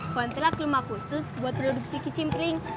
kontrak rumah khusus buat produksi kicim pling